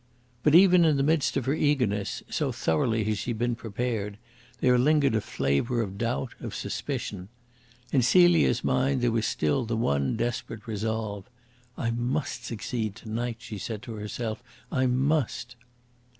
But even in the midst of her eagerness so thoroughly had she been prepared there lingered a flavour of doubt, of suspicion. In Celia's mind there was still the one desperate resolve. "I must succeed to night," she said to herself "I must!"